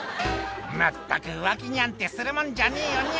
「まったく浮気ニャんてするもんじゃねえよニャ」